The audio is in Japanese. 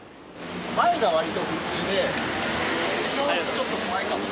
前がわりと普通で後ろの人ちょっと怖いかも。